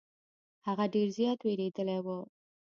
هغه ډير زيات ويرويدلې وه.